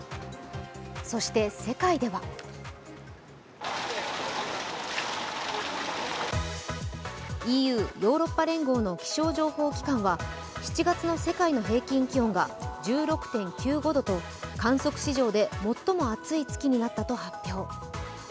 そして世界ではＥＵ＝ヨーロッパ連合の気象情報機関は７月の世界の平均気温が１６．９５度と観測史上で最も暑い月になったと発表。